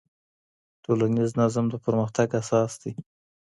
ټولنيز نظم د پرمختګ اساس دی.